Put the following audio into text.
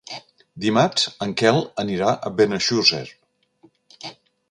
Dimarts en Quel anirà a Benejússer.